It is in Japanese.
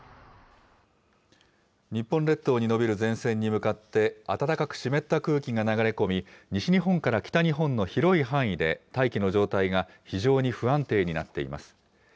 日本列島に延びる前線に向かって、暖かく湿った空気が流れ込み、西日本から北日本の広い範囲で、大気の状態が非常に不安定になっています。